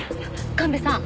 神戸さん